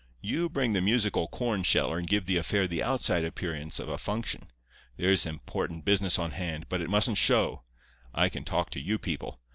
You bring the musical corn sheller and give the affair the outside appearance of a function. There's important business on hand, but it mustn't show. I can talk to you people.